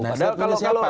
nah statemennya siapa